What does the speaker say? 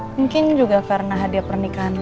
mungkin juga karena hadiah pernikahan